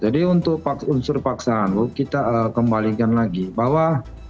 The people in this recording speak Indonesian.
jadi untuk unsur paksaan bu kita kembalikan lagi bahwa